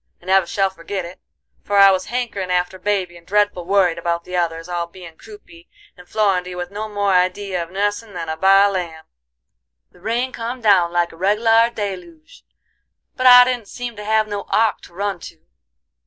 I never shall forgit it, for I was hankerin' after baby, and dreadful worried about the others, all bein' croupy, and Florindy with no more idee of nussin' than a baa lamb. The rain come down like a reg'lar deluge, but I didn't seem to have no ark to run to.